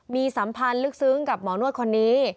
มีสัมพันธ์ลึกซึ้งกับหมอนวดคนนี้